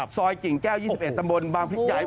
ซอยกิ่งแก้ว๒๑ตำบลบางพีใหญ่